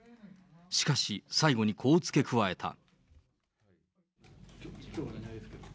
しかし、最後にこう付け加えた。